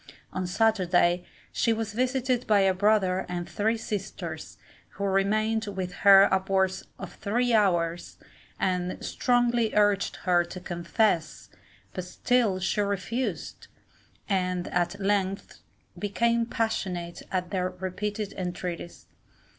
On Saturday, she was visited by a brother and three sisters, who remained with her upwards of three hours, and strongly urged her to confess, but still she refused, and at length became passionate at their repeated entreaties.